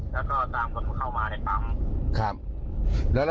แล้วก็ตามคนเข้ามาในปั๊ม